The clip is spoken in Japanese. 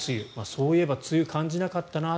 そういえば梅雨、感じなかったな。